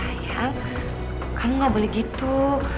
ayah kamu gak boleh gitu